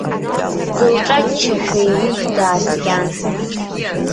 Дылҿаччашәа иуит, дааскьан.